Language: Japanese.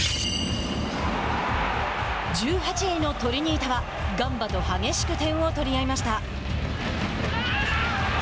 １８位のトリニータはガンバと激しく点を取り合いました。